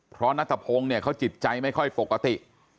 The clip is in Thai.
เพราะนัทพงศ์เนี่ยเขาจิตใจไม่ค่อยปกติ